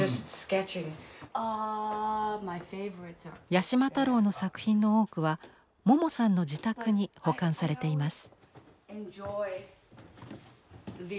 八島太郎の作品の多くはモモさんの自宅に保管されています。